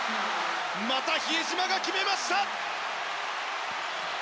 また比江島が決めました。